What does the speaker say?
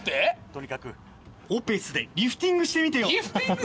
とにかくオペスでリフティングしてみてよリフティング？